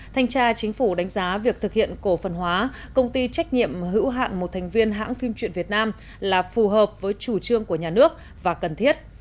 thanh tra chính phủ đánh giá việc thực hiện cổ phần hóa công ty trách nhiệm hữu hạn một thành viên hãng phim truyện việt nam là phù hợp với chủ trương của nhà nước và cần thiết